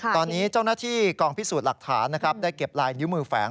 ตอนนี้เจ้าหน้าที่กองพิสูจน์หลักฐานนะครับได้เก็บลายนิ้วมือแฝง